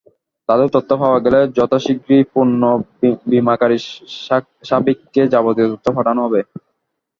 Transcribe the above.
তাদের তথ্য পাওয়া গেলে যথাশিগগিরই পুনঃ বিমাকারী সাবিককে যাবতীয় তথ্য পাঠানো হবে।